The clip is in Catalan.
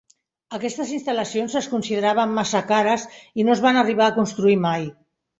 Aquestes instal·lacions es consideraven massa cares i no es van arribar a construir mai.